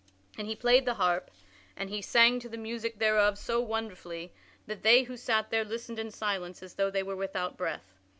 And he played upon the harp, and he sang to the music thereof so wonderfully that they who sat there listened in silence as though they were without breath.